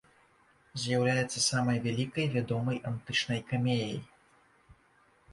З'яўляецца самай вялікай вядомай антычнай камеяй.